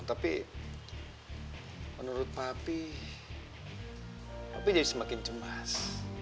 tapi menurut papi api jadi semakin cemas